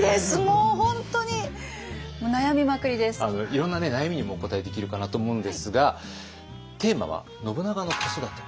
いろんな悩みにもお答えできるかなと思うのですがテーマは「信長の子育て」。